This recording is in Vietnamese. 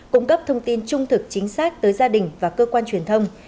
cung cấp thông tin trung thực chính xác tới gia đình và cơ quan truyền thông